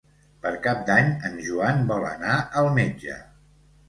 Per Cap d'Any en Joan vol anar al metge.